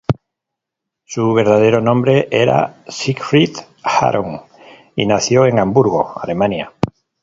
Su verdadero nombre era Siegfried Aron, y nació en Hamburgo, Alemania.